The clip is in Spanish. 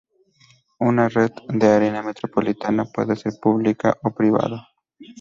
Una red de área metropolitana puede ser pública o privada.